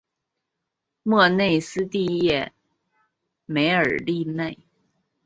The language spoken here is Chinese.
莫内斯蒂耶梅尔利内。